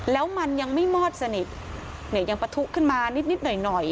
แล้วมันยังไม่มอดสนิทเนี่ยยังปะทุขึ้นมานิดหน่อย